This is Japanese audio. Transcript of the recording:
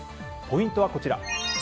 ポイントはこちら。